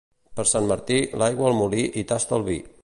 Per Sant Martí, l'aigua al molí i tasta el vi.